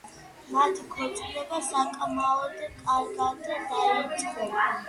მათი ქორწინება საკმაოდ კარგად დაიწყო.